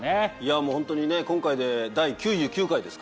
もうホントに今回で第９９回ですか。